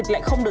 lấy lý do hỏi